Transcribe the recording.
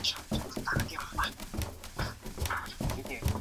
雄鱼在接近雌鱼时头部和鳍上会出现结节。